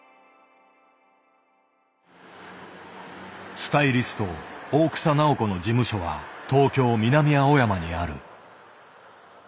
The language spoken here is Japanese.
スタイリスト大草直子の事務所は東京・南青山にある。